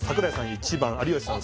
１番有吉さん